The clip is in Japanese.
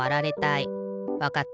わかった。